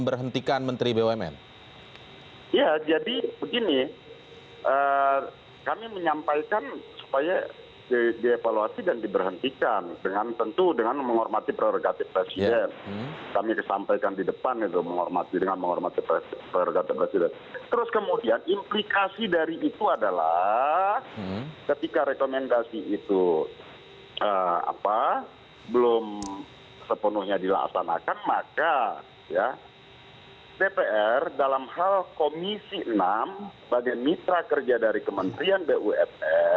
pertanyaan saya selanjutnya begini bang masinton